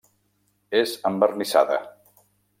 És envernissada.